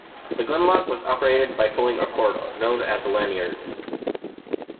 The gunlock was operated by pulling a cord, known as a lanyard.